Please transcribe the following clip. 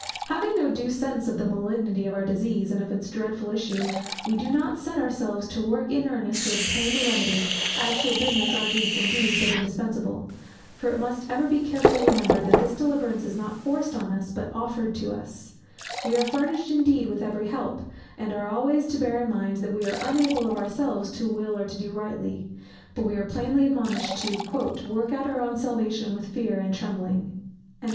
Having no due sense of the malignity of our disease, and of its dreadful issue, we do not set ourselves to work in earnest to obtain the remedy, as to a business arduous indeed, but indispensable: for it must ever be carefully remembered, that this deliverance is not forced on us, but offered to us; we are furnished indeed with every help, and are always to bear in mind, that we are unable of ourselves to will or to do rightly; but we are plainly admonished to "work out our own salvation with fear and trembling."